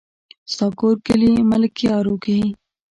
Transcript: ستا کور کلي ملكيارو کې دی؟